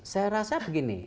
saya rasa begini